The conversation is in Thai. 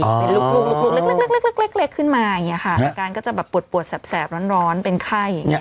หลุกเล็กเล็กเล็กขึ้นมาอาการก็จะปวดปวดแสบร้อนเป็นไข้